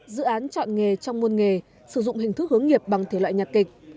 dự án chọn nghề trong môn nghề sử dụng hình thức hướng nghiệp bằng thể loại nhạc kịch